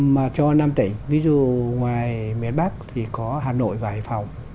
mà cho năm tỉnh ví dụ ngoài miền bắc thì có hà nội và hải phòng